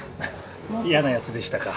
嫌なやつでしたか？